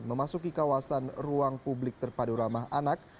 memasuki kawasan ruang publik terpadu ramah anak